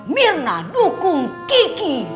mirna dukung kiki